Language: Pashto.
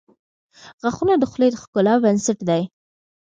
• غاښونه د خولې د ښکلا بنسټ دي.